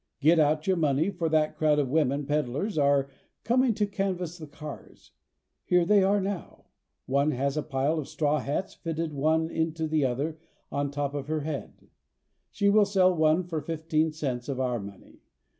Get out your money for that crowd of women peddlers who are coming to canvass the cars. Here they are now. One has a pile of straw hats fitted one into the other on the top of her head. She will sell one for fifteen cents of our money.